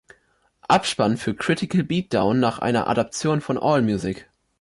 Abspann für „Critical Beatdown" nach einer Adaption von Allmusic.